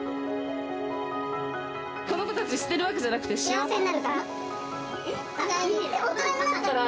この子たち、捨てるわけじゃなくて幸せになるから。